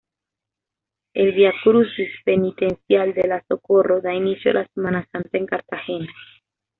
El viacrucis penitencial de la Socorro da inicio a la Semana Santa en Cartagena.